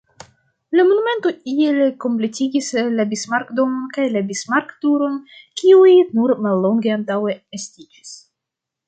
La monumento iel kompletigis la Bismarck-domon kaj la Bismarck-turon kiuj nur mallonge antaŭe estiĝis.